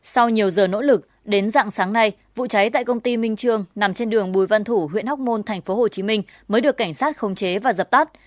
sau nhiều giờ nỗ lực đến dạng sáng nay vụ cháy tại công ty minh trương nằm trên đường bùi văn thủ huyện hóc môn thành phố hồ chí minh mới được cảnh sát không chế và dập tắt